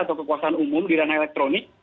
atau kekuasaan umum di dana elektronik